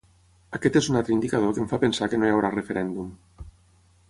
Aquest és un altre indicador que em fa pensar que no hi haurà referèndum.